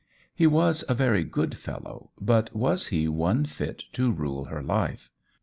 He was a very good fellow, but was he one fit to rule her life?